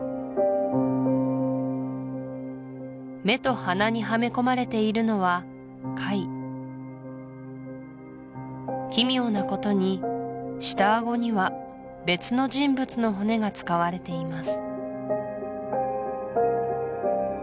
目と鼻にはめ込まれているのは貝奇妙なことに下顎には別の人物の骨が使われています